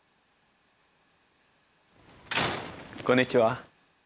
こんにちは。